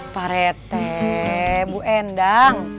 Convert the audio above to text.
pak rete bu endang